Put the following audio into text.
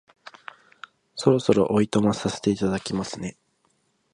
そろそろお暇させていただきますね